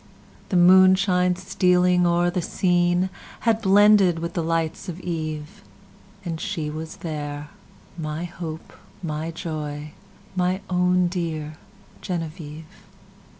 The moonshine stealing o'er the sceneHad blended with the lights of eve; And she was there, my hope, my joy, My own dear Genevieve!